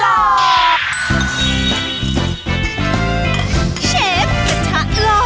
เชฟกระทะล่อ